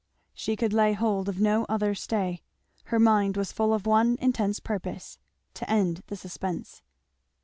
She could lay hold of no other stay. Her mind was full of one intense purpose to end the suspense.